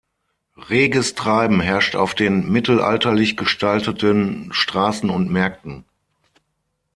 Reges Treiben herrscht auf den mittelalterlich gestalteten Straßen und Märkten.